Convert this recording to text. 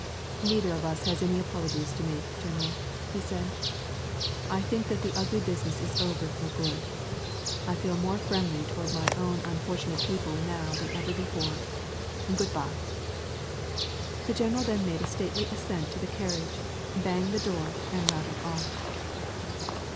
"Neither of us has any apologies to make, general," he said. "I think that ugly business is over for good. I feel more friendly toward my own unfortunate people now than ever before. Good by." The general then made a stately ascent into the carriage, banged the door, and rattled off.